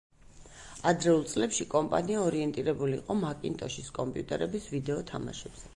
ადრეულ წლებში კომპანია ორიენტირებული იყო მაკინტოშის კომპიუტერების ვიდეო თამაშებზე.